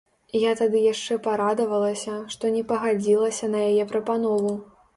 Я тады яшчэ парадавалася, што не пагадзілася на яе прапанову.